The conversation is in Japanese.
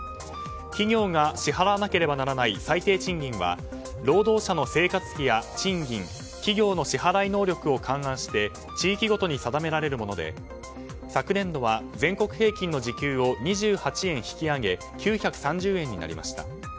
企業が支払わなければならない最低賃金は労働者の生活費や賃金企業の支払い能力を勘案して地位ごとに定められるもので昨年度は全国平均の時給を２８円引き上げ９３０円になりました。